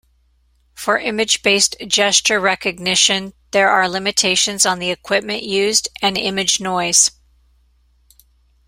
For image-based gesture recognition there are limitations on the equipment used and image noise.